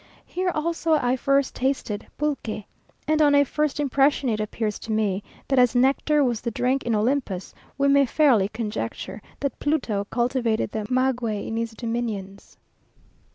Here also I first tasted pulque; and on a first impression it appears to me, that as nectar was the drink in Olympus, we may fairly conjecture that Pluto cultivated the maguey in his dominions.